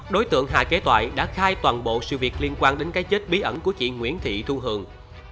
đối tượng hà kế toại đã khai toàn bộ sự việc liên quan đến cái chết bí ẩn của chị nguyễn thị thu hường